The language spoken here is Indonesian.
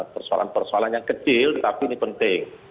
persoalan persoalan yang kecil tapi ini penting